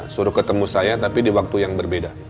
suruh ketemu saya tapi di waktu yang berbeda